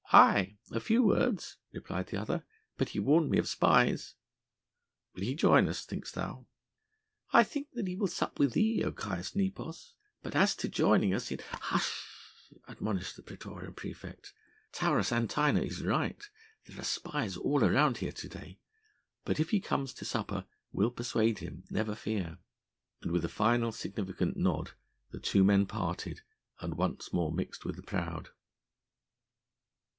"Aye! a few words," replied the other, "but he warned me of spies." "Will he join us, thinkest thou?" "I think that he will sup with thee, O Caius Nepos, but as to joining us in " "Hush!" admonished the praetorian praefect, "Taurus Antinor is right. There are spies all around here to day. But if he comes to supper we'll persuade him, never fear." And with a final significant nod the two men parted and once more mixed with the crowd.